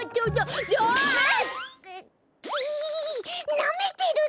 なめてるの？